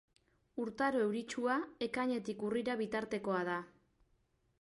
Urtaro euritsua ekainetik urrira bitartekoa da.